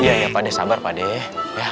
iya iya padeh sabar padeh